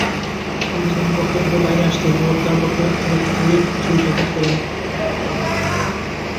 তখন সায়েম কক্ষ থেকে বাইরে আসতেই যুবক তাঁর বুকে এলোপাতাড়ি ছুরিকাঘাত করেন।